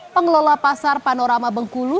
pengelola pasar panorama bengkulu